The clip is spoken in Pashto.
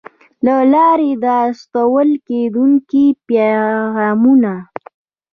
له لارې د استول کېدونکو پیغامونو